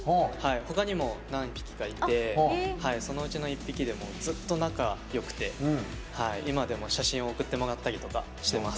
他にも何匹かいてそのうちの１匹でずっと仲よくて今でも写真を送ってもらったりとかしてます。